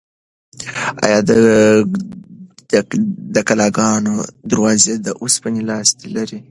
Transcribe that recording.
ایا د کلاګانو دروازې د اوسپنې لاستي لرل؟